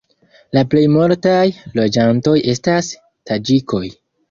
La plejmultaj loĝantoj estas taĝikoj.